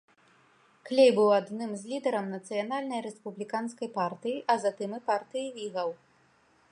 Клей быў адным з лідараў нацыянальнай рэспубліканскай партыі, а затым і партыі вігаў.